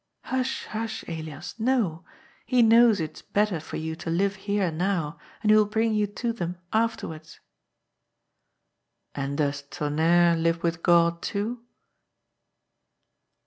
"" Hush, hush, Elias. No. He knows it is better for you to live here now, and He will bring you to them after wards." " And does Tonnerre live with God too